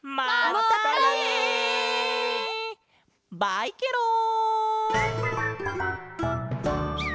バイケロン！